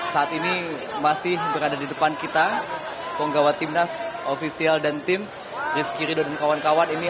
saat ini masih berada di depan kita penggawa timnas ofisial dan tim rizky rido dan kawan kawan ini